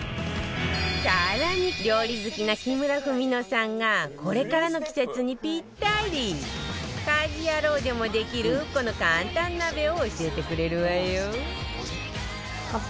更に料理好きな木村文乃さんがこれからの季節にぴったり家事ヤロウでもできるこの簡単鍋を教えてくれるわよ